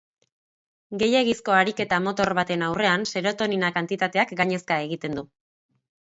Gehiegizko ariketa motor baten aurrean serotonina kantitateak gainezka egiten du.